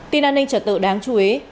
tin an ninh trật tự đáng chú ý